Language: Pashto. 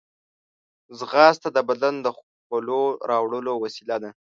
ځغاسته د بدن د خولو راوړلو وسیله ده